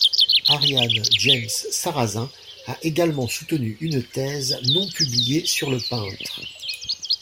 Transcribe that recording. Ariane James-Sarazin a également soutenu une thèse non publiée sur le peintre.